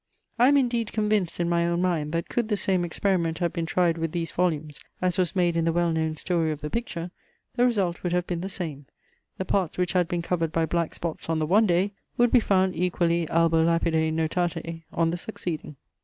I am indeed convinced in my own mind, that could the same experiment have been tried with these volumes, as was made in the well known story of the picture, the result would have been the same; the parts which had been covered by black spots on the one day, would be found equally albo lapide notatae on the succeeding.